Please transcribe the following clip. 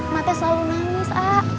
emak teh selalu nangis